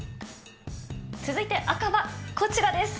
続いて赤はこちらです。